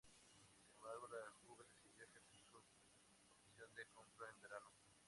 Sin embargo, la Juve decidió ejercer su opción de compra en verano.